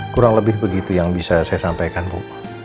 kurang lebih begitu yang bisa saya sampaikan bu